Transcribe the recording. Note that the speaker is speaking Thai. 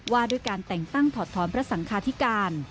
ว่าด้วยการแต่งตั้งถอดถอนพระสังคาธิการ